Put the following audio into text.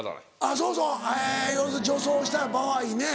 そうそう要するに女装した場合ね。